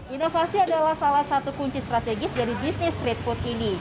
inovasi adalah salah satu kunci strategis dari bisnis street food ini